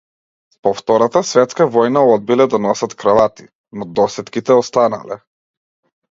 По втората светска војна одбиле да носат кравати, но досетките останале.